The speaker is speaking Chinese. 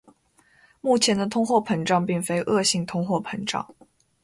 目前的通货膨胀并非恶性通货膨胀。